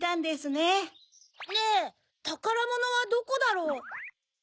ねぇたからものはどこだろう？